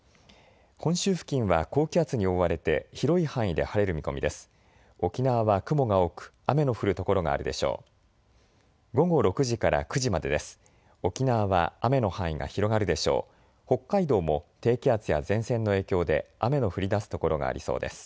本州付近は高気圧に覆われて広い範囲で晴れる見込みです。